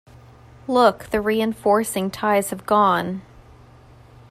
Look, the reinforcing ties have gone!